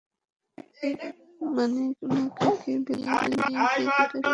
মানিকম, উনাকে ভিতরে নিয়ে গিয়ে জিজ্ঞাসাবাদ করো।